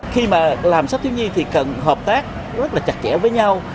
khi mà làm sách thiếu nhi thì cần hợp tác rất là chặt chẽ với nhau